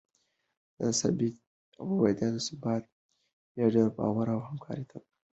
دا ثبات بیا ډیر باور او همکارۍ ته لاره هواروي.